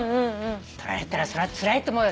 取られたらそれはつらいと思うよ。